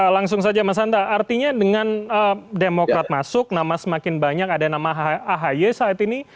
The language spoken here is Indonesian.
langsung saja mas hanta artinya dengan demokrat masuk nama semakin banyak ada nama ahy saat ini